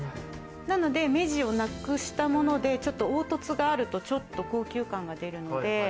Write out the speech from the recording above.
なので目地をなくしたもので、ちょっと凹凸があると高級感が出るので。